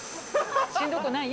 しんどい。